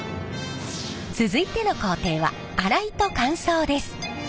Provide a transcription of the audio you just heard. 続いての工程は洗いと乾燥です。